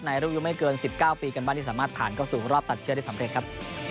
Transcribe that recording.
อายุไม่เกิน๑๙ปีกันบ้างที่สามารถผ่านเข้าสู่รอบตัดเชื่อได้สำเร็จครับ